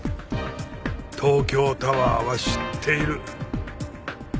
「東京タワーは知っている」。